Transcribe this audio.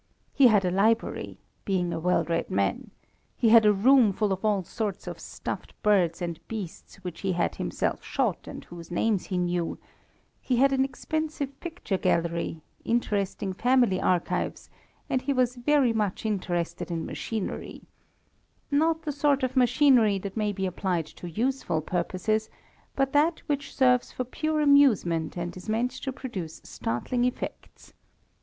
He had a library, being a well read man; he had a room full of all sorts of stuffed birds and beasts which he had himself shot, and whose names he knew; he had an expensive picture gallery, interesting family archives, and he was very much interested in machinery not the sort of machinery that may be applied to useful purposes, but that which serves for pure amusement, and is meant to produce startling effects.